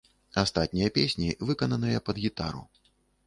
Астатнія песні выкананыя пад гітару.